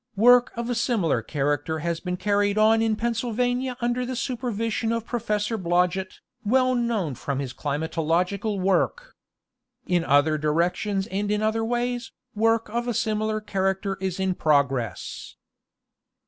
Work of a similar character has been carried on in Pennsylvania under the supervision of Professor Blodget, well known from his climatological work. In other directions and in other ways, work of a similar character is in progress.